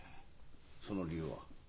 その理由は？